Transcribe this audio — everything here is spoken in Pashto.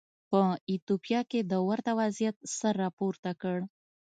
په ایتوپیا کې د ورته وضعیت سر راپورته کړ.